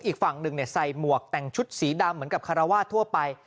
อีกฝั่งหนึ่งใส่หมวกแต่งชุดสีดำเหมือนกับคารวาสทั่วไป